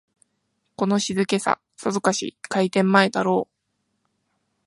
この静けさ、さぞかし開店前だろう